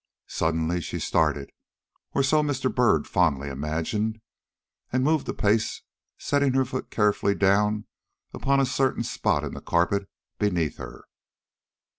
Suddenly she started, or so Mr. Byrd fondly imagined, and moved a pace, setting her foot carefully down upon a certain spot in the carpet beneath her.